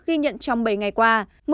ghi nhận trong bảy ngày qua